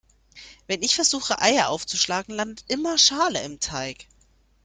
Wenn ich versuche Eier aufzuschlagen, landet immer Schale im Teig.